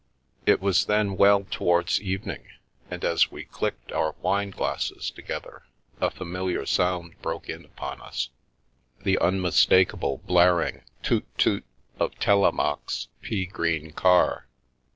It was then well towards evening, and as we clicked our wine glasses together, a familiar sound broke in upon us — the unmis takable, blaring "toot toot" of Telemaque's pea green car.